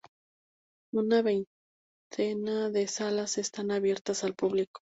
Una veintena de salas están abiertas al público.